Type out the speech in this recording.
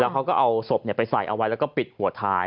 เขาก็เอาศพไปใส่เอาไว้แล้วก็ปิดหัวท้าย